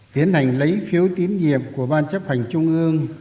tiến hành lấy phiếu tín nhiệm của ban chấp hành trung ương